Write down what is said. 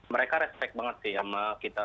mereka respect banget sih sama kita